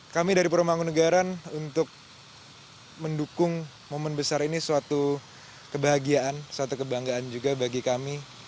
kami dari purwomangungaran untuk mendukung momen besar ini suatu kebahagiaan suatu kebanggaan juga bagi kami